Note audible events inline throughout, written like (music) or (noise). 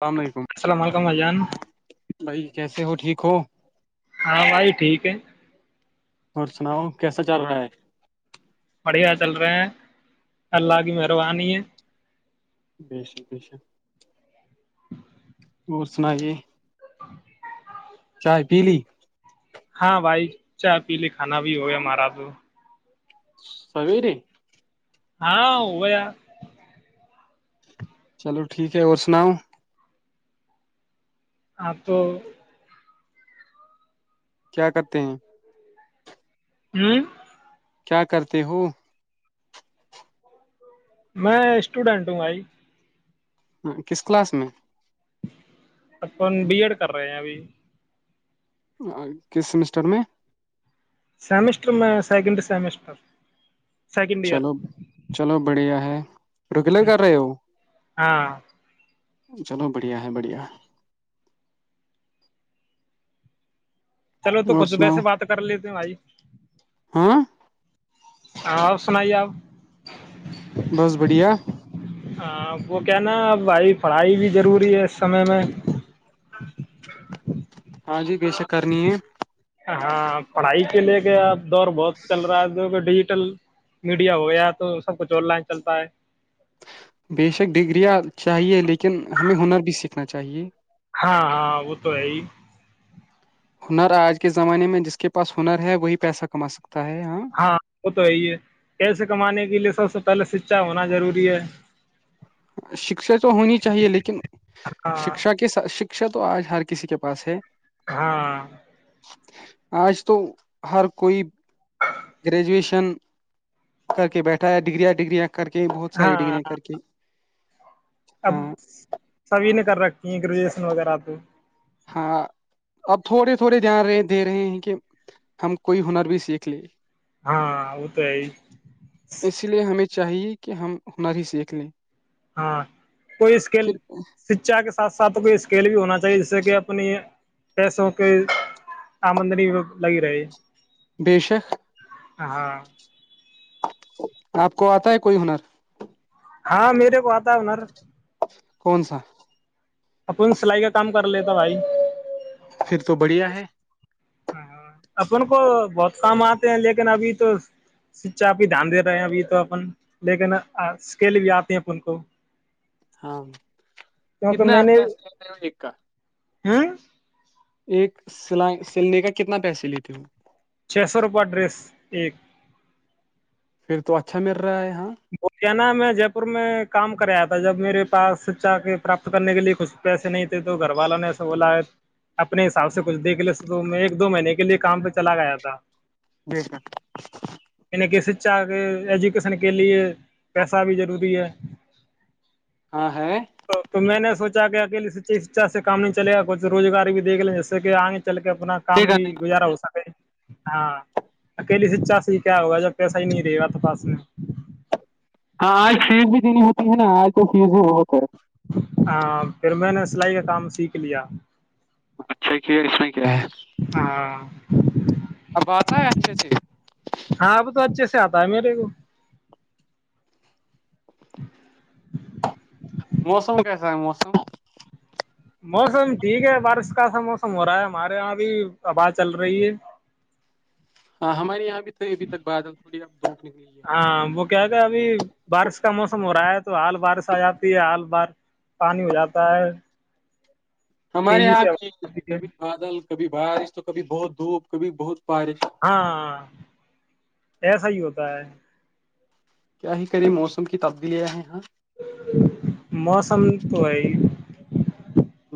السلام علیکم السلام علیکم بھائی جان بھائی کیسے ہو ٹھیک ہو ہاں بھائی ٹھیک ہے اور سناؤ کیسا چل رہا ہے بڑھیا چل رہے ہیں اللہ کی مہربانی ہے بشاشا اور سناائیے (unintelligible) چائے پیلی ہاں بھائی چائے پی لیے کھانا بھی ہو ہمارا تو سویری ہاں ہو ار چلو ٹھیک ہے اور سناؤ آپ (unintelligible) کیا کرتے ہیں ہوں کیا کرتے ہو میں اسٹوڈینٹ ہوں بائی ہاں کس کلاس میں ان بی ایڈ کر رہے ہیں ابھی کس سمسٹر میں سیمسٹر میں سیکنڈری سمسٹر چلو چلو بڑھیا ہے رکلے بھی کر رہے ہو ہاں چلو بڑھیا ہے بڑھیا چلو تو اور کچھ سناؤ ویسے بات کر لیتے ہیں بھائی ہاں ہاں سنائیے آپ بس بڑھیا ہاں وہ کیا ن ا بھائی پڑھائی بھی ضروری ہے اس سمے میں ہاں جی بےشک کرنی ہے ہاں پڑھائی پے لے گیا آپ دور بہت چل رہا ہے جو کہ ڈھی میڈیا ہو گیا تو سب کچھ آن لائن چلتا ہے بےشک ڈگریاں چاہیے لیکن ہمیں ہنر بھی سیکھنا چاہیے ہاں ہاں وہ تو ہے ہی ہنر آج کے زمانے میں جس کے پاس ہنر ہے وہی پیسہ کما سکتا ہاں وہ تو یہی ہے پیسے کمانے کے لیے سب سے (unintelligible) شکشا تو ہونی چاہیے لیکن ہاں شکشا کے ساتھ شکشا تو آج ہر کسی کے پاس ہے ہاں آج تو ہر کوئی گریجویشن کر کے بیٹھا ہے ڈگریاں ڈگریاں کر کے بہت ساری ہاں ڈگرییاں کر کے اب ہاں سبھی نے کر رکھتی ہیں گریجویشن وغیرہ تو ہاں اب تھوڑے تھوڑے دھیان رہے دے رہے ہیں کہ ہم کوئی ہنر بھی سیکھ لے ہاں وہ تو ہے اس لیے ہمیں چاہیے کہ ہم ہنر ہی سیکھ لیں (unintelligible) ساتھ پھر ساتھ کوئی اسکل بھی ہونا چاہیے جس سے کہ اپنی پیسوں کے آمدنی لگی رہی بے شک ہاں آپ کو آتا ہے کوئی ہنر ہاں میرے کو آتا ہے ہنر کون سا اپن سلائی کا کام کر لیتا بھائی پھر تو بڑھیا ہے (unintelligible) کیونکہ میں نے (unintelligible) (inaudible) ایک سیلنے کا کتنا پیسے لیتے ہو چھے سو روپیہ ڈریس ایک پھر تو اچھا مل رہا ہے یہاں (unintelligible) کریا تھا جب میرے پاس سا کے پراپت کرنے کے لیے کچھ پیسے نہیں تھے تو گھر والوں نے ایسا بولا اپنے حساب سے کچھ دیکھ لیے تو میں ایک دو مہینے کے لیے کام پہ چلا گیا تھا بیشک یعنی کہ شکشاایجوکیشن کے کے لیے پیسہ بھی ضروری ہے ہاں ہے تو میں نے سوچ کے اکیے شکھا سے کام نہیں چل گاچھ روزگاری بھی دے گے جسے کہ آگے چل کے اپنا کام بھی گزارا ہو سکے ہاں اکیلی سچا سے ہی کیا ہوگا جب پیسہ ہی نہیں رہے گا تو پاس میں ہاں آج فیز بھی جتی ہوتی ہے نا آج تو فیز بھی بہت ہے ہاں پھر میں نے سلائی کا کام سیکھ لیا اچھا کی اس میں ہاں بات ہے اچھچ ہاں اب تو اچھے سے آتا ہے میرے کو موسم کیسے موسو (inaudible) موسم ٹھیک ہے بارش کا سا موسم ہو رہا ہے ہمارے یہاں بھی آواز چل رہی ہے ہاں ہمارے یہاں بھی تھ ابھی تک بادل تھوڑی اب دھوپ نکلی ہے ہاں وہ کیا کہ ابھی بارش کا موسم ہو رہا ہے تو آال بار سے آ جاتی ہے آال بار پانی ہو جاتا ہے ہمارے تیزی یہاں سے آتی ہے کبھی بادل کبھی بارش تو کبھی بہت دھوپ کبھی بہت بارش ہاں ایس ہی ہوتا بائے کیا ہی کرے موسم کی تبدیلیاں ہیں ہاں موسم تو ہے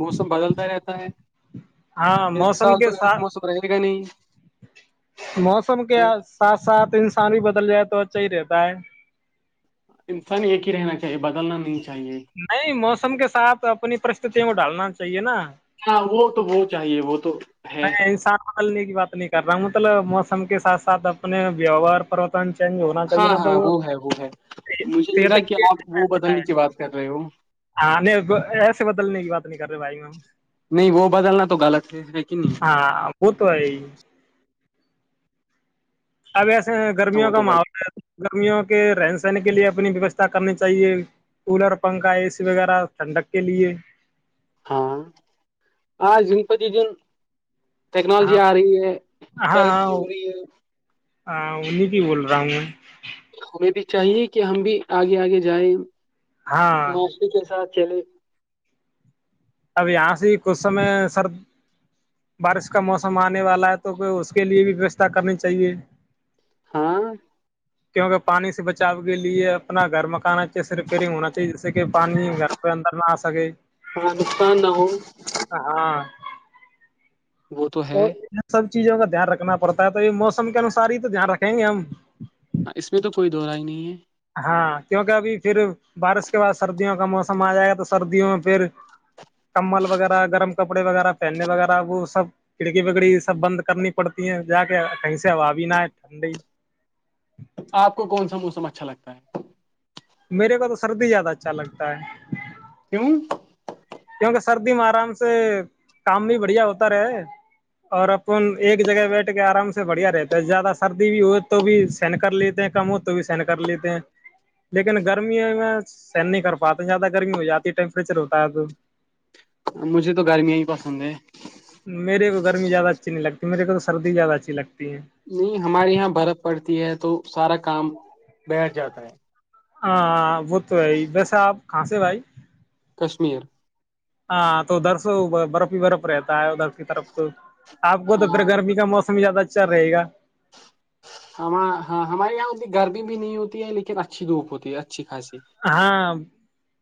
موسم بدلتا رہتا ہے ہاں ایک سال موسم تو کے ایک ساتھ موسم رہے گا نہیں موسم کیا ساتھ ساتھ انسان بھی ب بدل جائے تو اچھا ہی رہتا ہے انسان ایک ہی رہنا چاہیے بدلنا نہیں چاہیے نہیں موسم کے ساتھ اپنی پرست کو ڈالنا چاہیے نا ہاں وہ تو وہ چاہیے وہ تو ہے میں انسان بدلنے کی بات نہیں کر رہا ہوں مطلب موسم کے ساتھ ساتھ اپنے ویوہار پرتن ہاں ہاں وہ ہے وہ ہے مجھے صحت لگا کے کہ لیے آپ وہ ب کی بات کر رہے ہو آ نہیں ایسے بدلنے کی بات نہیں کر رہے بھائی میں نہیں وہ بدلنا تو غلط ہے ہے کہ نہیں ہاں وہ تو ہے اب ہاں گرمیوں وہ کا تو غلط ماحول ہے گرمیوں کے رہن سہن کے لیے اپنی ویوستھا کرنی چاہیے کولر پنکھا اے سی وغیرہ ٹھنڈک کے لیے ہاں آ جنپتی جون ٹیکنالوجی ہاں آ رہی ہے ہاں ترقی ہاں ہو رہی ہے ہاں ان بھی ہی بول رہا ہوں ہمیں بھی چاہیے کہ ہم بھی آگے آگے جائیں ہاں معاشی کے ساتھ چلیے اب یہاں سے ہی کچھ سمے سر بارش کا موسم آنے والا ہے تو کو اس کے لیے بھی ووستھا کرنی چاہیے ہاں کیونکہ پانی سے بچاو کے لیے اپنا گھر مکانا چاہیے ریپئرنگ ہونا چاہیے جس سے کہ پانی گھر پہ اندر نہ آ سکے ہاں نقصان نہ ہو ہاں وہ تو ہے ان سب چیزوں کا دھیان رکھنا پڑتا ہے ب موسم کے انوسار ہی تو دھیان رکھیں گے ہم ہاں اس میں تو کوئی دوورہ ہی نہیں ہے ہاں کیونکہ ابھی پھر بارش کے بعد سردیوں کا موسم آ جائے گا تو سردیوں میں پھر کمبل وغیرہ گرم کپڑے وغیرہ پہننے وغیرہ وہ سب کھڑکی بگڑی سب بند کرنی پڑتی ہیں جا کے کہیں سے ہوا بھی نہ ہے ٹھنڈی آپ کو کون سا موسم اچھا لگتا ہے میرے پا تو سردی زیادہ اچھا لگتا ہے کیوں کیونکہ سردی میں آرام سے کام بھی بڑھیا ہوتا رہے اور اپن ایک جگہ بیٹھ کے آرام سے بڑھیا رہتا ہے زیادہ سردی بھی ہو تو بھی سہن کر لیتے ہیں کم ہو تو بھی سہن کر لیتے ہیں لیکن گرمیوں میں سہن نہیں کر پاتے زیادہ گرمی ہو جاتی ہے ٹیمپریچر ہوتا ہے تو مجھے تو گرمیاں ہی پسند ہے میرے کو گرمی زیادہ اچھی نہیں لگتی مے کو تو سردی زیادہ اچھی لگتی ہے نہیں ہمارے یہاں برف پڑتی ہے تو سارا کام بیٹھ جاتا ہے ہاں وہ تو ہے ویسے آپ کہاں سے بھائی کشمیر ہاں تو ادھر سے برف ہی برف رہتا ہے ادھر کی طرف تو آپ کو تو ہاں پھر گرمی کا موسم ہی زیادہ اچر رہے گا ہم ہاں ہمارے یہاں اتنی گرمی بھی نہیں ہوتی ہے لیکن اچھی دھوپ ہوتی ہے اچھی خھاصی ہاں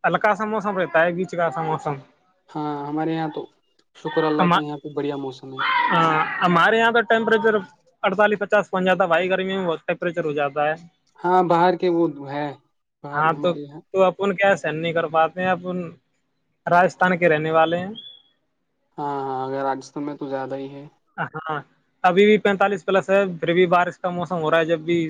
ہلکا سا موسم رہتا ہے بیچ کا سا موسم ہاں ہمارے یہاں تو شکر اللہ کا یہاں پہ بڑھیا موسم ہے ہاں ہمارے یہاں تو ٹیمپریچر اڑتالیس پ بن جاتا بھائی گرمی میںہت ٹیمپریچر ہواتا ہے ہاں باہر کے وہ ہے باہر ہاں تو ہمارے یہاں تو اپن کیا نہیں کر پاتے ہیں ا راستھان کے رہنے والے ہیں ہاں ہاں اگر رجستھان میں تو زیادہ ہی ہے ہاں ابھی بھی پینتالیس پلس ہے پھر بھی بارش کا موسم ہو رہا ہے جب بھی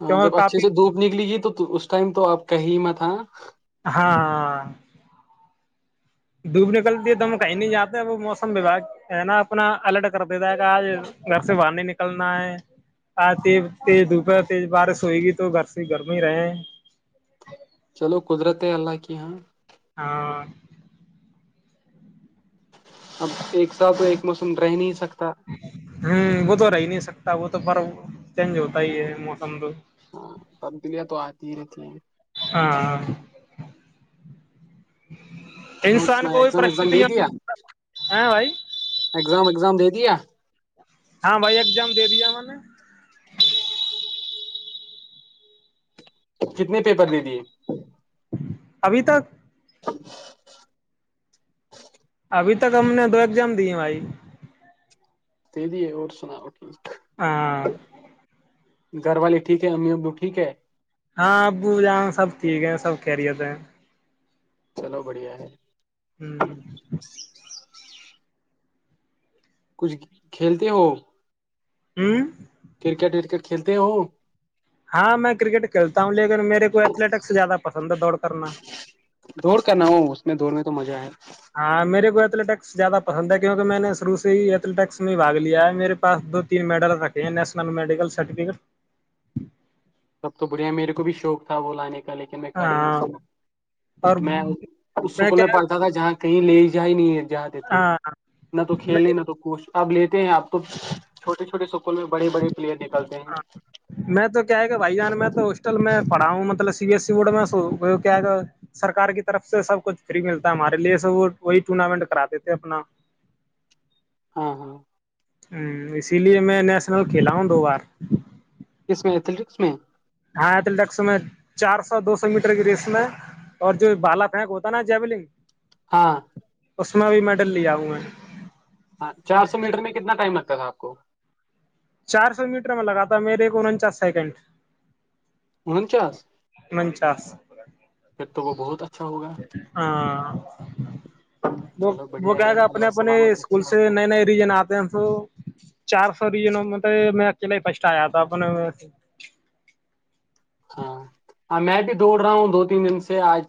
ہاں کیونکہ جب اچھے کافی سے دھوپ نکلی گی تو تو اس ٹائم تو آپ کا ہی م تھا ہاں دھوپ نکلتی ہے تو ہم کہیں نہیں جاتا وہ موسم وباگ ہے نا اپنا الرٹ کر دیتا ہے کہ آج گھر سے باہر نہیں نکلنا ہے آج تی تیز دھوپ تیز بارش ہوئے گی تو گھر سے گرمی ہی رہے چلو قدرت ہے اللہ کی ہاں ہا اب ایک سات تو ایک موسم رہ نہیں سکتا ہوں وہ تو ہو رہای نہیں سب وہ تو پرر چینج ہوتا ہی ہے موسم تو ہاں تبدیلیاں تو آتی ہی رہتی ہیں ہاں اور انسان سنا کوئی ایگزام وگزام پرستستتی دے ہے دیا بھائی ایگزام وگزام دے دیا ہاں بھائی اگزام دے دیا میں نے کتنے پیپر دے دیے ابھی تک ابھی تک ہم نے دو ایگزام دیے بھائی دیدی ہے اور سناؤیک ہاں گھر والے ٹھیک ہے امی ابو ٹھیک ہے ہاں ابو جان سب ٹھیک ہیں سب خریت ہیں چلو بڑھیا ہے ہوں ج کچھ کھیلتے ہو ہوں کرکٹ ورکٹ کھیلتے ہو ہاں میں کرکٹ کھیلتا ہوں لیکن میرے کو ایتھلیٹکس زیادہ پسند چند دوڑ کرنا دوڑ کر نہ ہو اس میں دوڑنے میں تو مزہ ہے ہاں میرے کو ایس زیادہ پسند ہے کیونکہ میں نے شروع سے ہی ایتھٹکس میں باگ لیا ہے میرے پاس دو تین میڈل رکھے ہیں نیشنل میڈیکل سرٹیفکٹ سب تو بڑھیا میرے کو بھی شوق تھا وہ لانے کا لیکن میں ک ہی نہیں ہاں سنا اور میں اس اسکول میں پڑھتا تھا جہاں کہیں لے کیا ہی نہیں جاتے تھے ہاں نہ تو نہیں کھیلے نہ تو ہاں کوچ آپ لیٹ ہیں آپ کو چوٹے چھوٹے س اسکول میں بڑے بڑے پلیئر نکلتے ہیں بائی جان میں تو ہوسٹل میں پڑھا ہوں مطلب سی بی ایس س بورڈ میں کیا سرکار کی طرف سے سب کچھ فری ملتا ہے ہمارے لیے س وہ وہی ٹورنامنٹ کراتے تھے اپنا ہاں ہاں ہ اسی لیے میں نیشنل کھیلا ہوں دو بار کس میں ایتھلیٹکس میں ہاںتلس میں چار سو دو سو میٹر کی ریس میں اور جو بال پینک ہوتا ہے نا جیولنگ ہاں اس میں بھی میڈل ل آؤ میں ہاں چار سو میٹر میں کتنا ٹائم لگتا تھا آپ کو کو چار سو میٹر میں لگاتا میرے کو انچاس سیکنڈ ان چس م چاس تو وہ بہت اچھا ہوگا ہاں وہ چلو وہ بڑھیا ہے کیا کہ اپنے اللہ اپنے سلامت اسکول رکھیے آپ سے کو نئے نئے ریجن آتے ہیں تو چار سو ری ن مطلب میں اکیلا ہی پسٹایا تھا اپنے ہاں ہاں میں بھی دوڑ رہا ہوں دو تین دن سے آج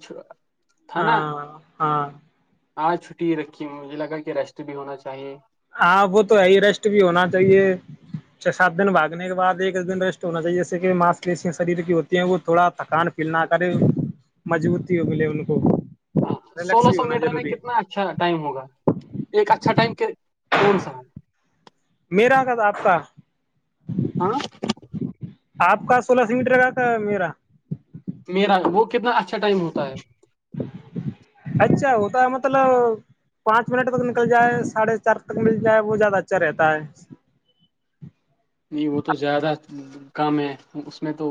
ہاں ہاں آاں چھٹی ہی رکھی ہے مجھے لگا کہ ریسٹ بھی ہونا چاہیے ہاں وہ تو ہےی ریسٹ بھی ہونا چاہیے چھ سات دن بھاگنے کے بعد ایک دن ریسٹ ہونا چاہیے جیسے کہ ماس جسی شریر کی ہوتی ہیں وہ تھوڑا تھکان فیل نہ کرے مجبوتی ہو ملے ان کو ہاں ریلیکس سولہ بھی سو ہونا میٹر میں ضروری ہے کتنا اچھا ٹائم ہوگا ایک اچھا ٹائم کون سا ہے میریرا کا آب ھ ہاں آپ کا سولہ سو میٹر لگا تھا میرا میرا وہ کتنا اچھا اچھا ٹائم ہوتا ہے اچھا ہوتا ہے مطلب پانچ منٹ تک نکل جائے ساڑھے چار تک مل جائے بہت زیادہ اچھا رہتا ہے نہیں وہ تو زیادہ کام ہے اس میں تو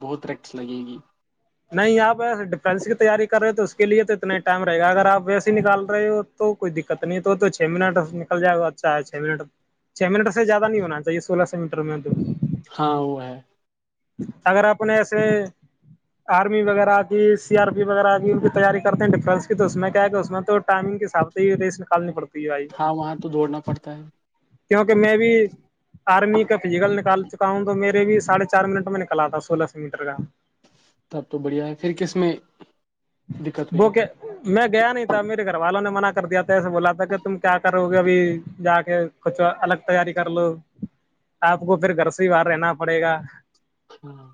بہت ریکس لگے گی نہیں آپ ایسے ڈفینس کی تیاری کر رہے ہو تو اس کے لیے تو اتنا ہی ٹائم رہے گا اگر آپ ویسے نکال رہے ہو تو کوئی دقت نہیں تو چھ منٹ نکل جائے گا اچھا ہے چھ منٹ چھ منٹ سے زیادہ نہیں ہونا چاہیے سولہ س میٹر میں تو ہاں وہ ہے اگر آپ نے ایسے آرمی وغیرہ کی سی آر پی وغیرہ کی ان کی تیاری کرتے ہیں ڈیفینس کی تو اس میں کیا ہے کہ اس میں تو ٹائمنگ کے حساب سے ہی ریس نکالنی پڑتی ہے بھائی ہاں وہاں تو دوڑنا پڑتا ہے کیونکہ میں بھی آرمی کا فزیکل نکال چکا ہوں تو میرے بھی ساڑھے چار منٹ میں نکال تھا سولہ سو میٹر کا تب تو بڑھیا ہے پھر کس میں دقت ہوئی وہ کہ میں گیا نہیں تھا میرے گھر والوں نے منع کر کر دیا بولا تھا کہ تم کیا کرو گے ابھی جا کے کچھ الگ تیاری کر لو آپ کو پھر گھر سے ہی باہر رہنا پڑے گا ہاں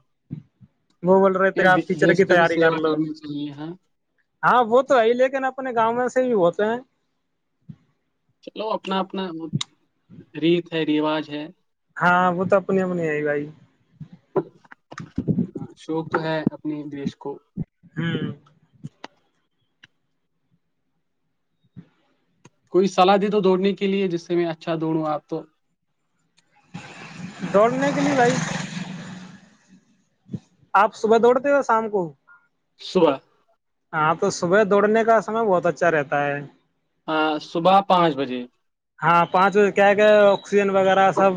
وہ بول رہے اپنے تھے آپ دی- ٹیچر دیش کی کا بھی تیاری کر سیوا لو کرنی چاہیے ہاں ہاں وہ تو ہےئی لیکن اب اپنے گاؤ میں سے ہی ہوتے ہیں چلو اپنا اپنا وہ ریت رواج ہے ہاں وہ تو اپنی اپنی ہے ہی بھائی ہ شوق تو ہے اپنی دیش کو ہوں کوئی صلاح دے دو دوڑنے کے لیے جس سے میں اچھا دوڑوں آپ تو دوڑنے کے لیے بائک آپ صبح دوڑتے ہو شام کو صبح ہاں تو صبح دوڑنے کا سمے بہت اچھا رہتا ہے ہاں صبح پانچ بجے ہاں پانچ بجے کیا ہے کہ آکسیجن وغیرہ سب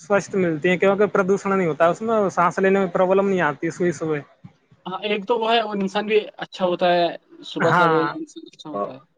سوستھ ملتی ہیں کیونکہ پردوشن نہیں ہوتا ہے اس میں سانس لینے میں پروابلم نہیں آتی سوئی سبح ہاں ایک تو وہ ہے اور انسان بھی اچھا ہوتا ہے صبح سویر ہاں اھا ہوتا ہے